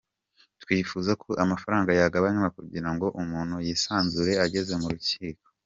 Twifuza ko amafaranga yagabanywa kugira ngo umuntu yisanzure ageze mu rukiko.